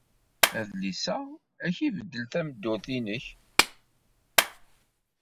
Adlis-a ad ak-ibeddel tameddurt-nnek.